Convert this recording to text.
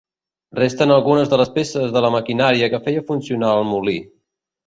Resten algunes de les peces de la maquinària que feia funcionar el molí.